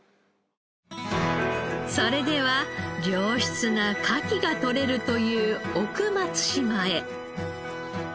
それでは良質なカキがとれるという奥松島へ！